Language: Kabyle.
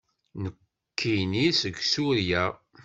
Nekkini seg Surya.